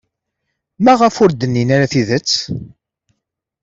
Maɣef ur d-nnin ara tidet?